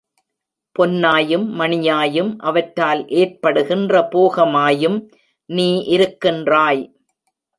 பொன்னாயும், மணியாயும், அவற்றால் ஏற்படுகின்ற போகமாயும் நீ இருக்கின்றாய்.